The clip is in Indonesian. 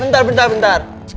bentar bentar bentar